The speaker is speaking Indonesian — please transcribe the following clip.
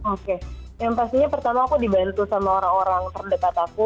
oke yang pastinya pertama aku dibantu sama orang orang terdekat aku